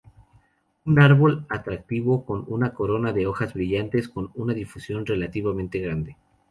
Un árbol atractivo con una corona de hojas brillantes con una difusión relativamente grande.